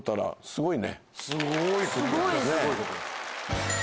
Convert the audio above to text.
すごい。